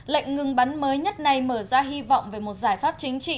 lệnh ngừng bắn mới nhất này mở ra hy vọng về một giải pháp chính trị